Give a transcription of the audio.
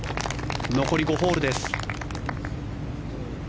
残り５ホールです。